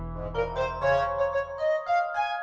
saya darklady mak tetep setahun dan berusaha aneh